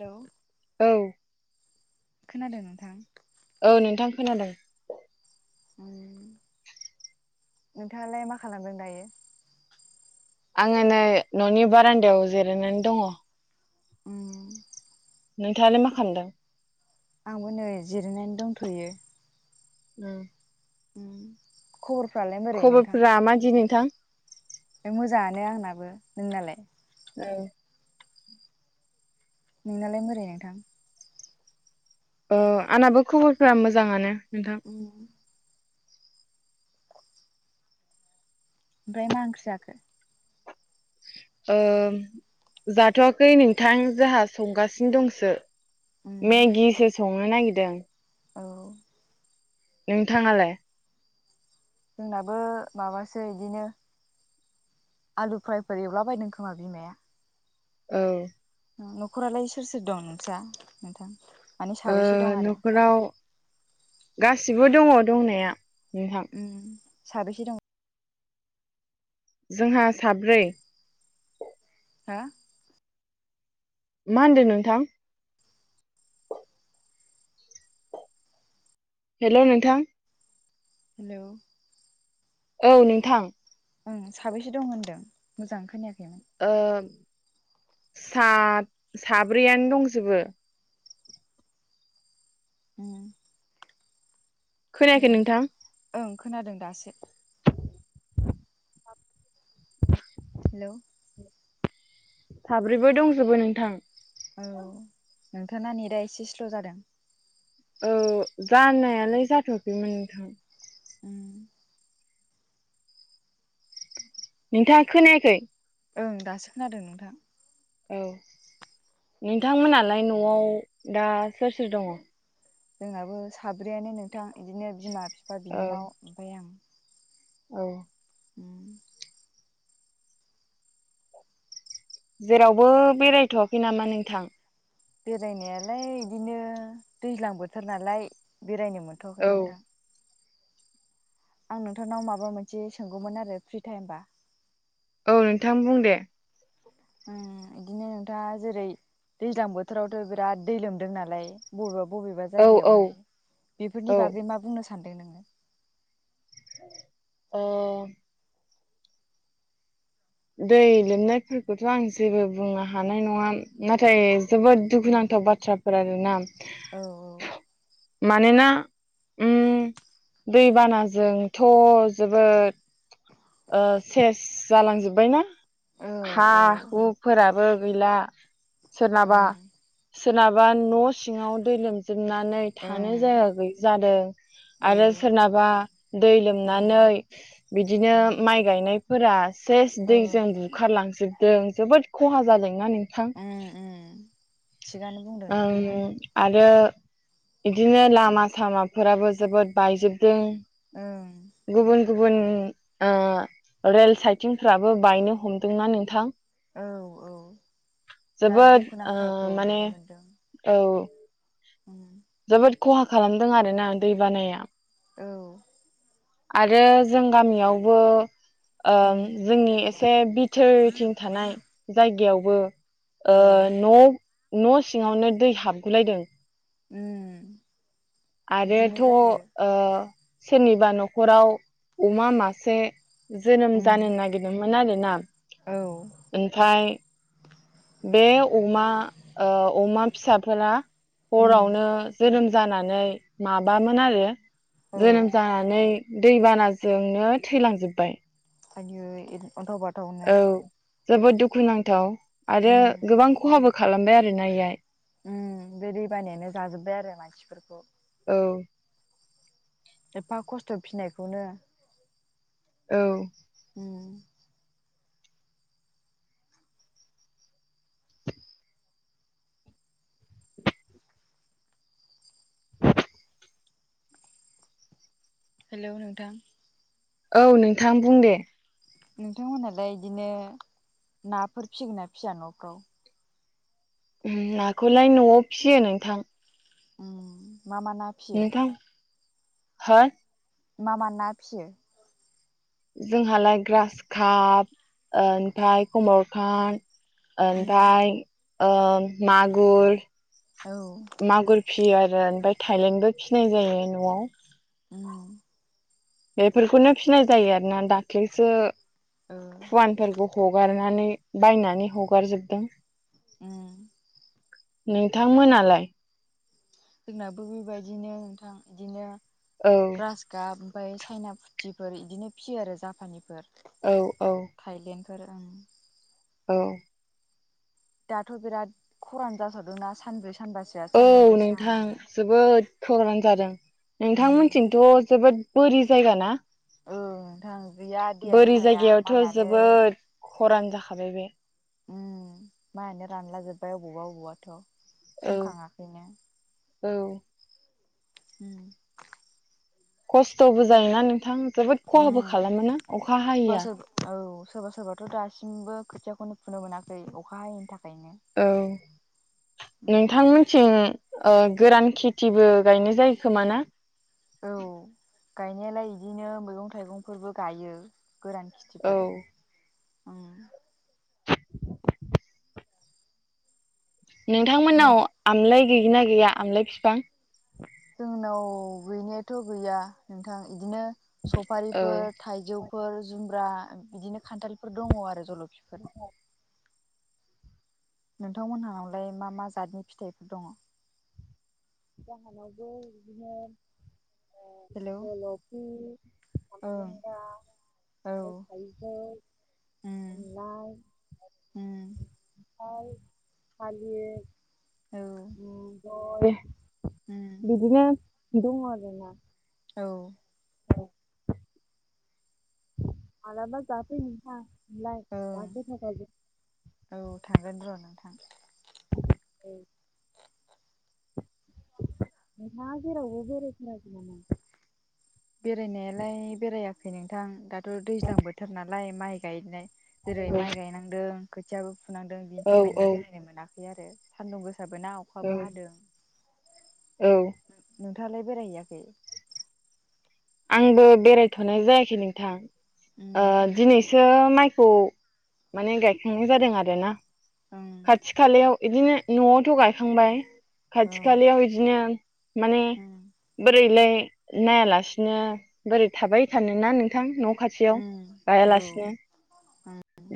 हेल' औ खोनादों नोंथां। औ नोंथां खोनादों। उम नोंथाङालाय मा खालामदों दायो? आङो नै न'नि बारान्दायाव जिरायनानै दङ'। उम नोंथाङालाय मा खालामदों? आंबो नै जिरायनानै दंथ'यो। उम उम खबरफोरा मादि नोंथां? मोजाङानो आंनाबो नोंनालाय? औ। नोंनालाय बोरै नोंथां? ओ आंनाबो खबरफोरा मोजाङानो। नोंथां उ [inaudible] ओमफ्राय ना ओंख्रि जाखो? ओ जाथ'वाखै नोंथां जाहा संगासिनो दंसो। मेगिसो संनो नागिरदों। औ। नोंथाङालाय? जोंनाबो माबासो इदिनो आलु फ्रायफोर एवलाबायदों खोमा बिमाया। औ। न'खरालाय सोर सोर दं नोंसा नोंथां? माने ओ साबैसे दं आरो न'खराव गासिबो दङ' दंनाया। नोंथां उ। साबैसे दं? जोंहा साब्रै। हा? मा होनदों नोंथां? हेलौ नोंथां हेलौ औ नोंथां। ओं साबैसे दं होनदों? मोजां खोनायाखै आं। ओ सा- साब्रैयानो दंजोबो। उ [inaudible] खोनायाखै नोंथां? ओं खोनादों दासो। हेलौ साब्रैबो दंजोबो नोंथां। औ नोंथांना नेटआ एसे स्ल' जादों। औ जानायालाय जाथ'आखैमोन नोंथां। उ [inaudible] नोंथाङा खोनायाखै? ओं दासो खोनादों नोंथां। औ नोंथांमोनालाय न'आव दा सोर सोर दङ'? जोंनाबो साब्रैयानो नोंथां बिदिनो बिमा-बिफा बिनानाव ओमफ्राय आं। औ। होम [inaudible] जेरावबो बेरायथ'आखै नामा नोंथां? बेरायनायालाय इदिनो दैज्लां बोथोर नालाय बेरायनो औ मोनथ'वाखै नोंथां आं नोंथांनाव माबा मोनसे सोंगौमोन आरो फ्रि टाइमबा। औ नोंथां बुं दे। ओम [inaudible] इदिनो नोंथाङा जेरै दैज्लां बोथोरावथ' बिराद दै लोमदों नालाय बबेबा बबेबा औ औ जायगायावहाय औ बेफोरनि बागै मा बुंनो सानदों नोङो अ दै लोमनायफोरखौथ' आं जेबो बुंनो हानाय नङा नाथाय जोबोद दुखुनांथाव बाथ्राफोर आरोना औ मानोना ओम दैबानाजोंथ' जोबोद ओ सेस जालांजोबो बायना औ हा हुफोराबो गैला सोरनाबा ओं सोरनाबा न' सिङाव दै लोमजोबनानै थानो ओं जायगा गैयि जादों औ आरो उम सोरनाबा दै लोमनानै बिदिनो उम माइ गायनाय फोरा सेस ओं दैजों बुखारलांजोबदों जोबोद खहा जादों ना नोंथां उम उम थिगानो बुंदों ओम नोंथाङा आर रो इदिनो लामा-सामाफोराबो जोबोद बायजोबदों ओं गुबुन गुबुन ओ रेल साइथिंफ्राबो बायनो हमदोंना नोंथां औ औ बिराद जोबोद ओ दुखुनांथावखौ माने नुनो मोनदों औ [unintelligible] जोबोद ख'हा खालामदों आरोना दै बानाया औ आरो जों गामियावबो ओ उम जोंनि एसे बिथोरथिं थानाय जायगायावबो ओ औ न' न' सिङावनो दै हाबगुलायदों उम बिदिनो आरोथ' ओ जायो सोरनिबा न'खराव अमा मासे जोनोम औ जानो नागिरदोंमोन आरो ना औ ओमफाय बे अमा ओ अमा फिसाफोरा उम हरावनो जोनोम जानानै माबामोन आरो जोनोम जानानै दैबानाजोंनो थैलांजोबबाय आयै अनथाव-बाथावनो जोबोद दुखुुनांथाव आरो गोबां ख'हाबो खालामबाय आरोना इहाय ओम बे दै बानायानो जाजोबबाय आरो मानसिफोरखौ औ एफा खस्थ' फिनायखौनो औ ओम हेलौ नोंथां औ नोंथां बुं दे नोंथांमोनहा दा इदिनो नाफोर फिसिगोन ना फिया न'फ्राव? ओम नाखौलाय न'आव फियो नोंथां ओम मा मा ना फियो? नोंथां हो मा मा ना फियो? जोंहालाय ग्रासकाप ओ ओमफ्राय कमनखार्प उम ओमफ्राय ओ मागुर औ मागुर फियो आरो ओमफाय थायलेण्डबो फिनाय जायो न'आव ओम बेफोरखौनो फिनाय जायो आरोना दाख्लैसो ओ फुवानफोरखौ हगारनानै बायनानै हगारजोबदों ओम नोंथांमोनालाय? जोंनाबो बेबायदिनो नोंथां बिदिनो औ ग्रासखाब ओमफाय चाइना फुथिफोर इदिनो फियो आरो जापानिफोर औ औ फोर ओं औ दाथ' बिराद खरान जासावदोंना सानब्रैसो औ नोंथां जोबोद खोरान जादों उम नोंथांमोननिथिंथ' जोबोद बोरि जायगा ना? ओ नोंथां गैया दैयानो बोरि थाया माइआनो थाबाय बे माहो रानला जोबबाय अबावबा अबावबाथ' औ सोमखाङाखैनो। औ [unintelligible] खस्थ'बो जायोना नोंथां जोबोद खहाबो उम खालामोना अखा सोरबा हैया। सोरबा औ सोरबा सोरबाथ' दासिमबो खोथियाखौनो फुनो मोनाखै अखा हयैनि थाखाय औ नोंथांमोनथिं गोरान खेथिबो गायनाय जायो खोमा ना? औ गायनायालाय बिदिनो मैगं थाइगंफोरबो गायो गोरान औ खिथिफोर उम [inaudible] नों नोंथांमोननाव आमलाय गैगो ना गैया आमलाय फिफां? जोंनाव गैनायाथ' गैया नोंथां इदिनो औ सफारिफोर थाइजौफोर जुमब्रा बिदिनो खान्थालफोर दङ आरो। जलफिफोर नोंथांमोनहावलाय मा मा जातनि फिथाइफोर दङ? जोंहानावबो बिदिनो हेलौ जलफि ओं काब्रेंगा औ ओमफाय थायजौ उम आमलाय [unintelligible] खान्थाल थालिर औ [unintelligible] उम बिदिनो दङ आरोना। औ आदबा मालाबा‌ जाफै नोंथां [unintelligible] न ओं गै थाखाब [inaudible] थां [unintelligible] नोंथाङा जेरावबो‌ बेरायथाराखै नामा? बेरायनायालाय बेरायाखै नोंथां दाथ' दैज्लां बोथोर नालाय माइ गायनाय जेरै माइ औ गायनांदों खोथियाबो फुनांदों बिनि औ थाखायनो औ बेरायनो मोनाखै आरो सान्दुं गो फिसाबो ना अखाबो औ हादों। औ नोंथाङालाय बेरायहैयाखै? आंबो बेरायथ'नाय जायाखै नोंथां ओ ओं दिनैसो माइ खौ माने गायखांनाय जादों आरोना ओं खाथि खालायाव बिदिनो न'आवथ' गायखांबाय खाथि ओं खालायाव इदिनो माने बोरैलाय नायालासे नो बोरै थाबाय थानोना नोंथां न' खाथियाव ओं औ गायालासिनो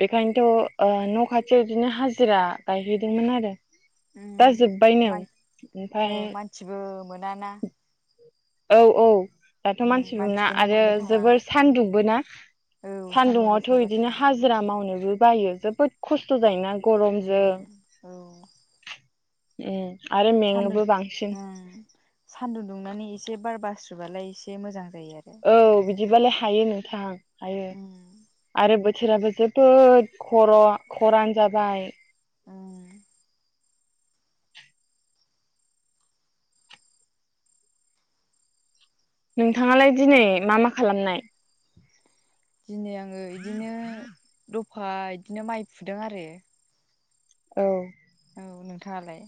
बेखायनोथ' ओ‌ न' खाथियाव बिदिनो हाजिरा गायहैदोंमोन आरो। दा जोब्बायनो उम ओमफाय मानसिबो मोनाना औ औ दाथ' उम मानसिबो मोना मानसिखौनो आरो मोननो थाङा जोबोर सानदुंबो ना औ सान्दुं सान्दुङाथ' गोसा इदिनो जाथारदों हाजिरा मावनोबो बायो जोबोद खस्थ' जायोना। गरमजों ओम उम आरो सान्दुं‌ मेङोबो बांसिन उम सान्दुं दुंनानै एसे बार बास्रोबालाय एसे मोजां। जायो आरो औ बिदिबालाय हायो नोंथां हायो आरो बो बोथोराबो जोबोद खर' खरान जाबाय। ओं नोंथाङालाय दिनै मा मा खालामनाय? दिनै आङो इदिनो दफा बिदिनो माइ फुदों आरो औ। औ नोंथाङालाय?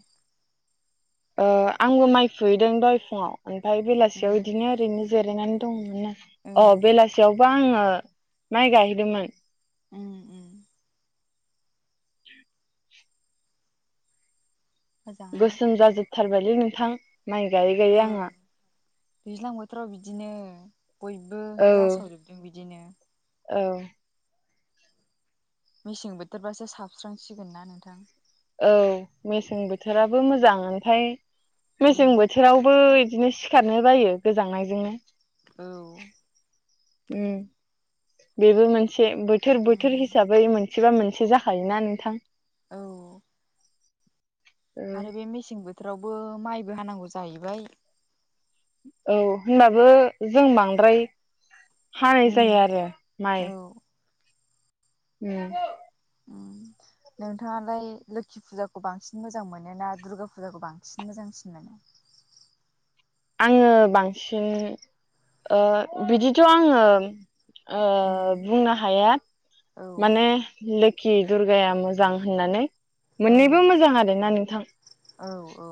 ओ आंबो माइ फुहैदों दहाय फुङाव ओमफ्राय बेलासियाव ओं बिदिनो ओरैनो जिरायनानै दंमोन आरो। ओं अ बेलासियावबा आङो माइ गायहैदोंमोन। उम उम। मोजाङानो गोसोम जाजोबथारबायलै नोंथां माइ गायै गायै आङा। ओं दैज्लां बोथोराव बिदिनो बयबो औ जासावजोबदों बिदिनो। औ। मेसें बोथोरबासो साबस्रांसिगोन ना नोंथा औ मेसें बोथोराबो मोजां ओमफ्राय मेसें उम बोथोरावबो बिदिनो सिखारनो बायो गोजांनायजोंनो। औ। उम बेबो मोनसे बोथोर बोथोर उम हिसाबै मोन सेबा मोनसे जाखायोना नोंथां। औ। आरो बे मेसें बोथोरावबो माइबो हानांगौ जाहैबाय औ होनबाबो जों बांद्राय हानाय उम जायो आरो माइ औ उम। [inaudible] नोंथाङालाय लोखि फुजाखौ बांसिन मोजां मोनो ना दुर्गा फुजाखौ बांसिन मोजांसिन मोनो? [inaudible] आङो बांसिन ओ बिदिथ' आङो ओ बुंनो हाया औ माने लोक्षि दुर्गाया मोजां होननानै ओं मोननैबो मोजां आरो ना नोंथां। औ औ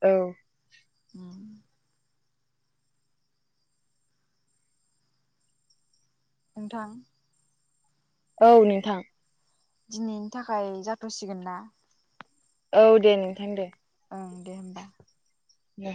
औ। ओम। नोंथां। औ नोंथां। दिनैनि थाखाय जाथ'सिगोन ना? औ दे नोंथां दे। ओं दे होमबा। दे।